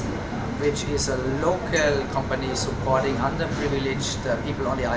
yang adalah perusahaan lokal yang mendukung orang orang yang tidak terpilih di pulau